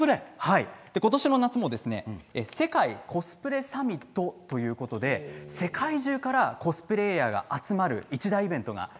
今年の夏も「世界コスプレサミット」ということで世界中からコスプレイヤーが集まる一大イベントが。